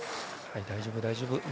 大丈夫、大丈夫。